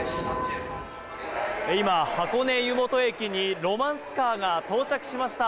今、箱根湯本駅にロマンスカーが到着しました。